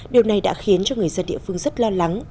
điều này đã khiến cho người dân địa phương rất lo lắng